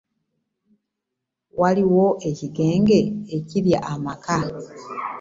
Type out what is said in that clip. Waliwo ekigenge ekirya amaka.